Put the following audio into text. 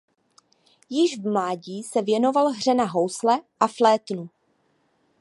Již v mládí se věnoval hře na housle a flétnu.